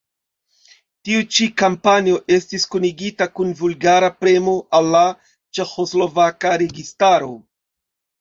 Tiu ĉi kampanjo estis kunigita kun vulgara premo al la ĉeĥoslovaka registaro.